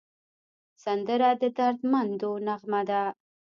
سندره د دردمندو نغمه ده